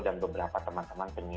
dan beberapa teman teman penginjil